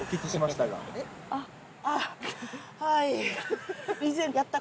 あっはい。